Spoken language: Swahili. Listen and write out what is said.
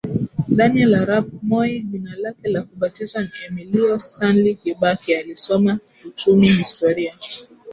Daniel Arap Moi Jina lake la kubatizwa ni Emilio Stanley Kibaki alisoma uchumi historia